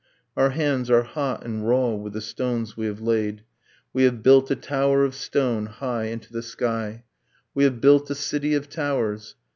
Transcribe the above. Our hands are hot and raw with the stones we have laid, We have built a tower of stone high into the sky. We have built a city of towers.